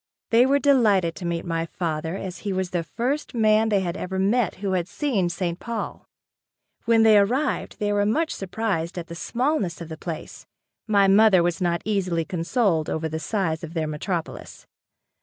They were delighted to meet my father as he was the first man they had ever met who had seen St. Paul. When they arrived, they were much surprised at the smallness of the place. My mother was not easily consoled over the size of their metropolis.